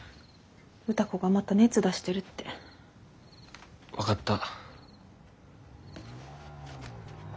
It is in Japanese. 歌子がまた熱出してるって。分かった。